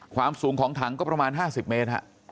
ความสูงของถังก็ประมาณ๕๐เมตร